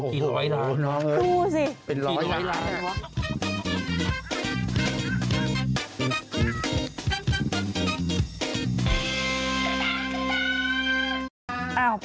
สี่ร้อยล้านบาทน้องเออสี่ร้อยล้านดูสิ